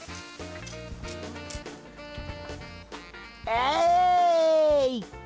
えい！